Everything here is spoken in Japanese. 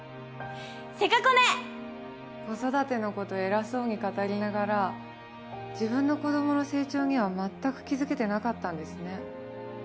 子育ての事偉そうに語りながら自分の子どもの成長には全く気づけてなかったんですね。